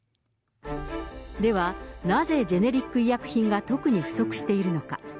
では、なぜジェネリック医薬品が特に不足しているのか。